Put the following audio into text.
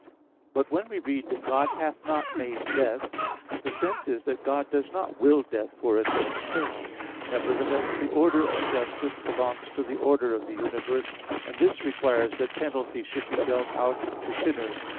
But when we read that "God hath not made death" (Wis. 1:13), the sense is that God does not will death for its own sake. Nevertheless the order of justice belongs to the order of the universe; and this requires that penalty should be dealt out to sinners.